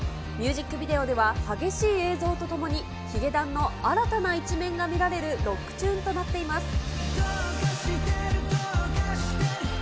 ミュージックビデオでは激しい映像とともに、ヒゲダンの新たな一面が見られるロックチューンとなっています。